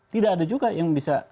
tidak ada juga yang bisa